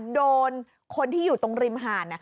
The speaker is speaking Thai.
โดนคนที่อยู่ตรงริมหาด